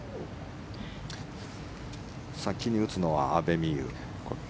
先に打つのは阿部未悠。